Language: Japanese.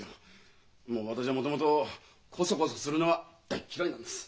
私はもともとコソコソするのは大嫌いなんです。